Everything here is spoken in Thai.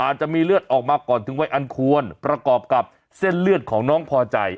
อาจจะมีเลือดออกมาก่อนถึงวัยอันควรประกอบกับเส้นเลือดของน้องพอใจ